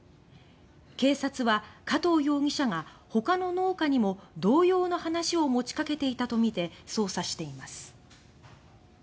警察は加藤容疑者がほかの農家にも同様の話を持ちかけていたとみて捜査しています。